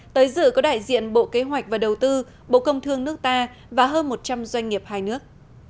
tới dự có đại diện bộ kế hoạch và đầu tư bộ công thương nước ta và hơn một trăm linh doanh nghiệp hai nước